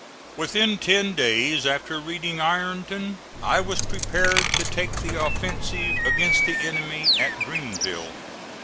Within ten days after reaching Ironton I was prepared to take the offensive against the enemy at Greenville.